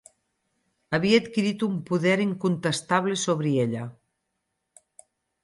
Havia adquirit un poder incontestable sobre ella.